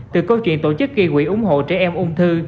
từ câu chuyện tổ chức kỳ quỷ ủng hộ trẻ em ung thư